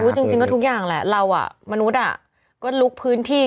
อื้อจริงคือก็ทุกอย่างแหละเราอ่ะมนุษย์ก็ลุกพื้นที่